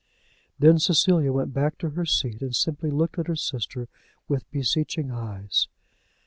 Then Cecilia went back to her seat, and simply looked at her sister with beseeching eyes.